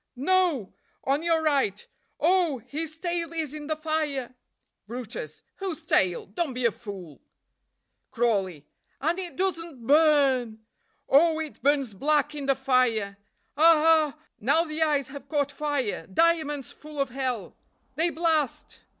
No! on your right. Oh, his tail is in the fire!" brutus. "Whose tail? don't be a fool!" Crawley. "And it doesn't burn!! Oh, it burns blacker in the fire! Ah, ah! now the eyes have caught fire diamonds full of hell. They blast!